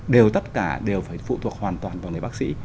đều tất cả đều phải phụ thuộc hoàn toàn vào người bác sĩ